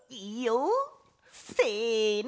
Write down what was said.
せの。